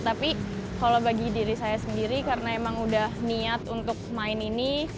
tapi kalau bagi diri saya sendiri karena emang udah niat untuk main ini